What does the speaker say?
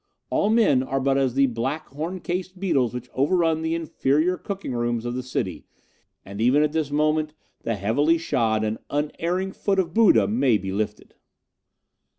all men are but as the black, horn cased beetles which overrun the inferior cooking rooms of the city, and even at this moment the heavily shod and unerring foot of Buddha may be lifted.